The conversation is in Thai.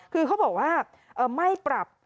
คือเขาบอกว่าไม่ปรับ